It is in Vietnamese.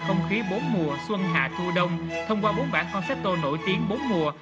không khí bốn mùa xuân hạ thu đông thông qua bốn bản concepto nổi tiếng bốn mùa